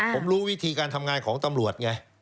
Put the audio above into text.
ผมรู้วิธีการทำงานของตำรวจไง